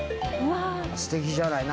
すてきじゃない。